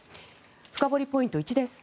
深掘りポイント１です。